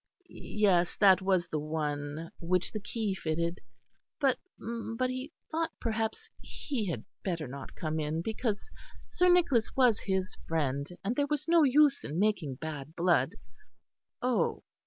Yes, that was the one which the key fitted. But, but, he thought perhaps, he had better not come in, because Sir Nicholas was his friend, and there was no use in making bad blood. Oh!